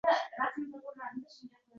Biroq, Kun